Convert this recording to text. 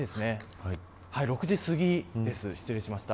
６時すぎです、失礼しました。